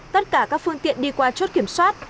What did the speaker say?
tất cả các phương tiện đi qua chốt kiểm soát